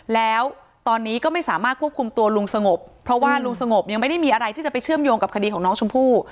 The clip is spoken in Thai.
แล้วตอนนี้ก็ไม่สามารถควบคุมตัวลุงสงบเพราะว่าลุงสงบยังไม่ได้มีอะไรที่จะไปเชื่อมโยงกับคดีของน้องชมพู่